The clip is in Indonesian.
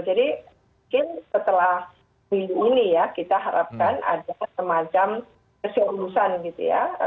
jadi mungkin setelah minggu ini ya kita harapkan ada semacam keselurusan gitu ya